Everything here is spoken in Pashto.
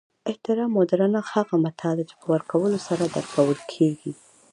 احترام او درنښت هغه متاع ده چی په ورکولو سره درکول کیږي